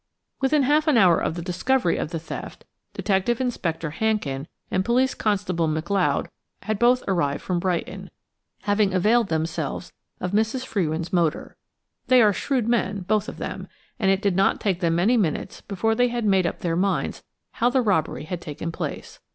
Within half an hour of the discovery of the theft, Detective Inspector Hankin and Police Constable McLeod had both arrived from Brighton, having availed themselves of Mrs. Frewin's motor. They are shrewd men, both of them, and it did not take them many minutes before they had made up their minds how the robbery had taken place.